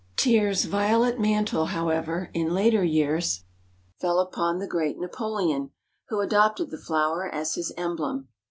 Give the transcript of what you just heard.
Tyr's violet mantle, however, in later years, fell upon the great Napoleon, who adopted the flower as his emblem.